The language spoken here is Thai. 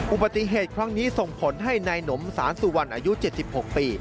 อุบัติเหตุครั้งนี้ส่งผลให้นายหนมสารสุวรรณอายุ๗๖ปี